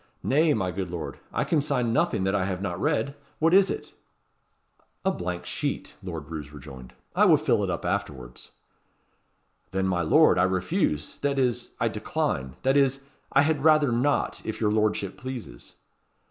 "Nay, my good lord; I can sign nothing that I have not read. What is it?" "A blank sheet," Lord Roos rejoined. "I will fill it up afterwards." "Then, my lord, I refuse that is, I decline that is, I had rather not, if your lordship pleases."